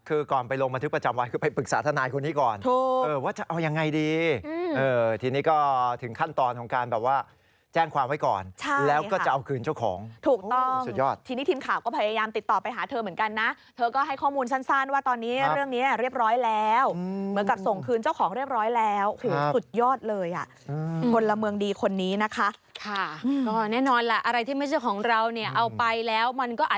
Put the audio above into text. คือก่อนไปลงบันทึกประจำวันคือไปปรึกษาทนายคนนี้ก่อน